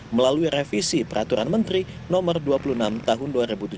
melalui revisi peraturan menteri no dua puluh enam tahun dua ribu tujuh belas